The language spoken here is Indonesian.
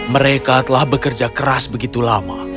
mereka telah bekerja keras begitu lama